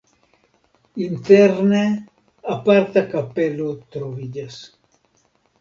Interne aparta kapelo troviĝas.